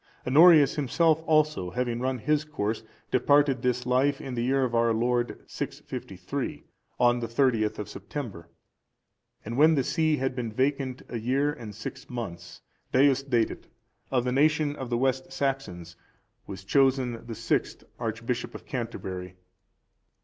Honorius(396) himself also, having run his course, departed this life in the year of our Lord 653, on the 30th of September; and when the see had been vacant a year and six months, Deusdedit(397) of the nation of the West Saxons, was chosen the sixth Archbishop of Canterbury.